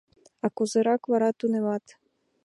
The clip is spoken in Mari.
— А кузерак вара тунемат?